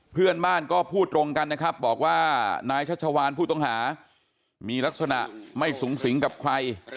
เพื่อนบ้านก็พูดตรงกันนะครับบอกว่านายชัชวานผู้ต้องหามีลักษณะไม่สูงสิงกับใคร